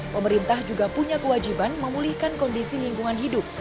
pemerintah juga punya kewajiban memulihkan kondisi lingkungan hidup